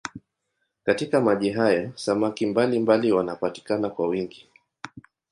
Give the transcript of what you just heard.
Katika maji hayo samaki mbalimbali wanapatikana kwa wingi.